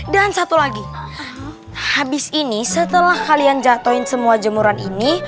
dan satu lagi habis ini setelah kalian jatohin semua jemuran ini